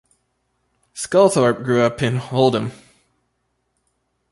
Sculthorpe grew up in Oldham.